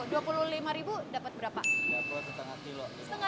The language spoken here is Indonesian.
kerang bambu rp dua puluh lima dapat berapa